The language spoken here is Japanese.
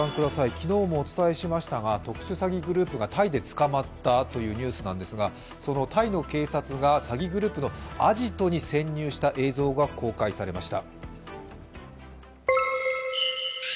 昨日もお伝えしましたが特殊詐欺グループがタイで捕まったというニュースなんですが、そのタイの警察が詐欺グループのアジトに潜入した映像が公開されました。